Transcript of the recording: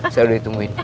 saya udah ditungguin